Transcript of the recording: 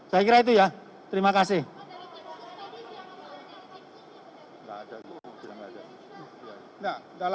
saya kira itu ya terima kasih